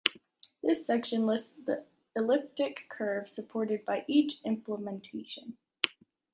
This section lists the elliptic curves supported by each implementation.